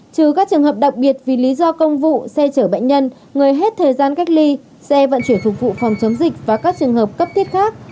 trừ các trường hợp đặc biệt vì lý do công vụ xe chở bệnh nhân người hết thời gian cách ly xe vận chuyển phục vụ phòng chống dịch và các trường hợp cấp thiết khác